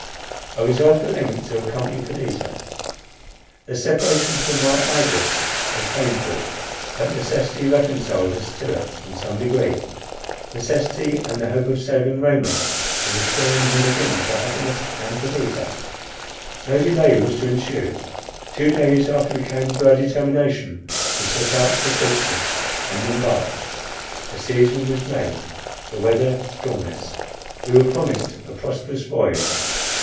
I resolved at length to accompany Perdita. The separation from my Idris was painful—but necessity reconciled us to it in some degree: necessity and the hope of saving Raymond, and restoring him again to happiness and Perdita. No delay was to ensue. Two days after we came to our determination, we set out for Portsmouth, and embarked. The season was May, the weather stormless; we were promised a prosperous voyage.